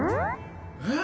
えっ！